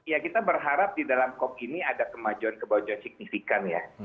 ya kita berharap di dalam cop ini ada kemajuan kemajuan signifikan ya